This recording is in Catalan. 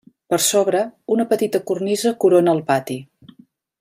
Per sobre, una petita cornisa corona el pati.